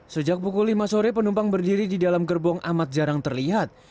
sejak pukul lima sore penumpang berdiri di dalam gerbong amat jarang terlihat